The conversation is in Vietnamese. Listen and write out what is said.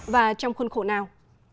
và trong khuôn khổ nào